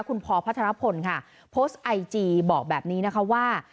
คุณพพัทรพลค่ะโพสต์ไอจีบอกแบบนี้นะคะว่า